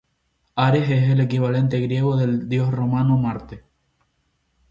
Ares es el equivalente griego del dios romano Marte.